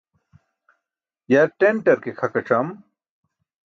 Yar ṭenṭar ke khakac̣am